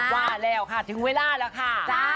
ว่าแล้วค่ะถึงเวลาแล้วค่ะ